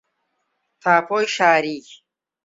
تاپۆی شاری